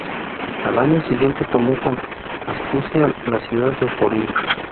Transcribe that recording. Al año siguiente tomó con astucia la ciudad de Forlì.